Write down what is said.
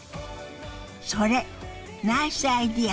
それナイスアイデア！